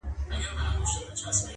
چي نه سمه نه کږه لښته پیدا سي!٫.